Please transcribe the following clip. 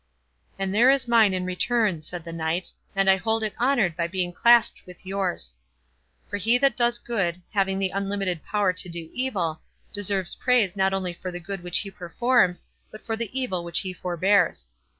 "And there is mine in return," said the Knight, "and I hold it honoured by being clasped with yours. For he that does good, having the unlimited power to do evil, deserves praise not only for the good which he performs, but for the evil which he forbears.